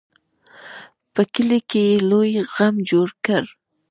په کلي کې یې لوی غم جوړ کړ.